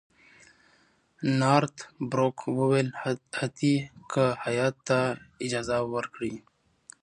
نارت بروک وویل حتی که هیات ته اجازه ورکړي.